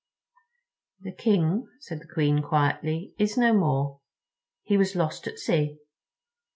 "The King," said the Queen quietly, "is no more. He was lost at sea."